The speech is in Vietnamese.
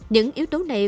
những yếu tố này